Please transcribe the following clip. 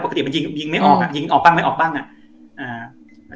ปกติมันยิงยิงไม่ออกอ่ะยิงออกบ้างไม่ออกบ้างอ่ะอ่า